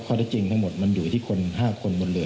ได้จริงทั้งหมดมันอยู่ที่คน๕คนบนเรือ